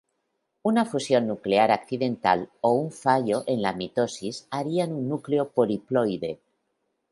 Una fusión nuclear accidental o un fallo en la mitosis harían un núcleo poliploide.